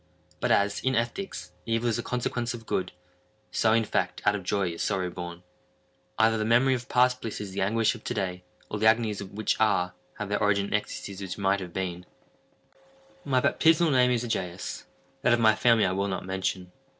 But as, in ethics, evil is a consequence of good, so, in fact, out of joy is sorrow born. Either the memory of past bliss is the anguish of to day, or the agonies which are, have their origin in the ecstasies which might have been. My baptismal name is Egaeus; that of my family I will not mention.